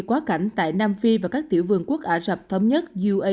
quá cảnh tại nam phi và các tiểu vườn quốc ả rập thống nhất